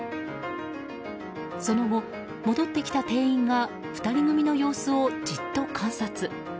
その後、戻ってきた店員が２人組の様子をじっと観察。